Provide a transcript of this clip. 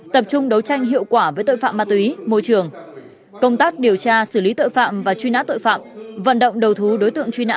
tập trung đấu tranh hiệu quả với tội phạm ma túy môi trường